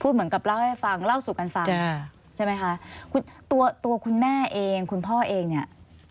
เหมือนกับเล่าให้ฟังเล่าสู่กันฟังใช่ไหมคะคุณตัวตัวคุณแม่เองคุณพ่อเองเนี่ย